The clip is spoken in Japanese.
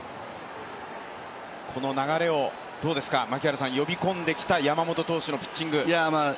この流れを槙原さん、呼び込んできた山本投手のピッチング。